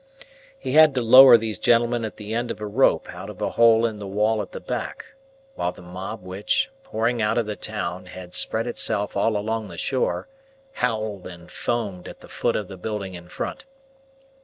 He had to lower these gentlemen at the end of a rope out of a hole in the wall at the back, while the mob which, pouring out of the town, had spread itself all along the shore, howled and foamed at the foot of the building in front.